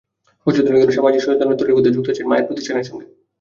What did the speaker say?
বছর তিনেক ধরে সামাজিক সচেতনতা তৈরি করতে যুক্ত আছেন মায়ের প্রতিষ্ঠানের সঙ্গে।